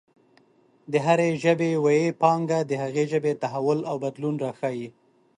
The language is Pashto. د هرې ژبې ویي پانګه د هغې ژبې تحول او بدلون راښايي.